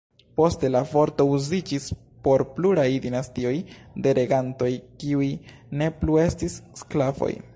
Poste la vorto uziĝis por pluraj dinastioj de regantoj, kiuj ne plu estis sklavoj.